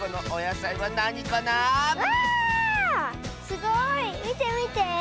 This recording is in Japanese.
すごい。みてみて。